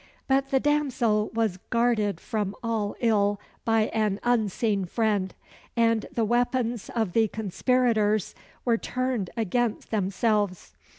But the damsel was guarded from all ill by an unseen friend and the weapons of the conspirators were turned against themselves.